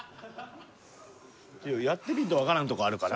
やってみんとわからんとこあるからな。